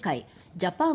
ジャパン